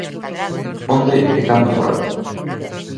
Onde e cando morreu?